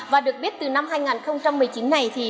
và được biết từ năm hai nghìn một mươi chín này